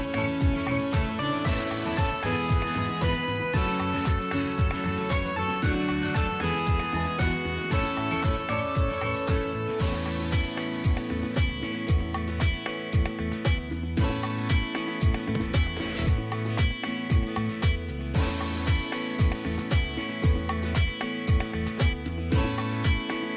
โปรดติดตามตอนนี้